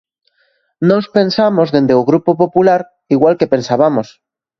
Nós pensamos, dende o Grupo Popular, igual que pensabamos.